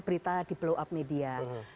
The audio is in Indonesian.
berita di blow up media